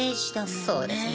そうですね。